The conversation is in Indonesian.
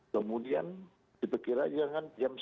kemudian diperkirakan jam sembilan